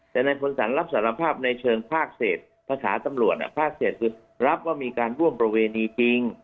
แต่ในผลสรรรับสารภาพในเชิงภาคเศสภาคเศสคือรับว่ามีการร่วมประเวณีจริง